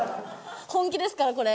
本気ですからこれ。